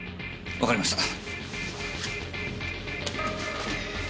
わかりました。